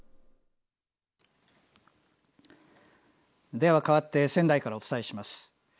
では、かわって仙台からお伝えします。